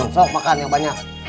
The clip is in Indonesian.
sok makan yang banyak